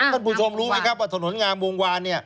ท่านผู้ชมรู้ไหมครับว่าถนนงามวงวาน